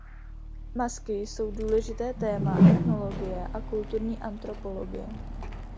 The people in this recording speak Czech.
Masky jsou důležité téma etnologie a kulturní antropologie.